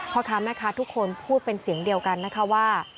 พ่อค้าแม่ค้าทุกคนพูดเป็นเสียงเดียวกันนะคะว่า